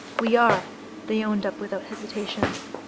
"We are," they owned up without hesitation.